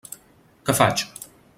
Què faig?